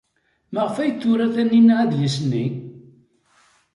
Maɣef ay d-tura Taninna adlis-nni?